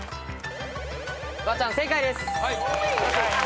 フワちゃん正解です。